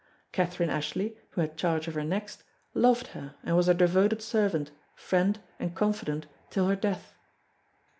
Catherine Ashley, who had charge of her next, loved her and was her devoted servant, friend and confidant till her death.